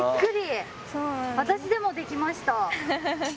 私でもできました。